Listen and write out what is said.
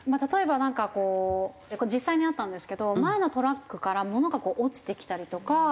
例えばなんかこうこれ実際にあったんですけど前のトラックから物がこう落ちてきたりとか。